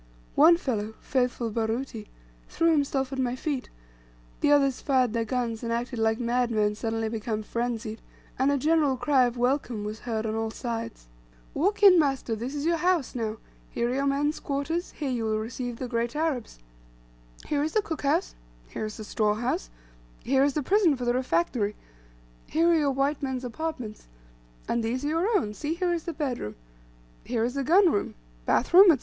One fellow, faithful Baruti, threw himself at my feet, the others fired their guns and acted like madmen suddenly become frenzied, and a general cry of "welcome" was heard on all sides. "Walk in, master, this is your house, now; here are your men's quarters; here you will receive the great Arabs, here is the cook house; here is the store house; here is the prison for the refractory; here are your white man's apartments; and these are your own: see, here is the bedroom, here is the gun room, bath room, &c."